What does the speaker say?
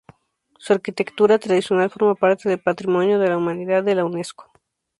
Su arquitectura tradicional forma parte del Patrimonio de la Humanidad de la Unesco.